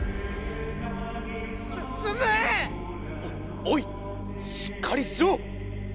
おおいしっかりしろ！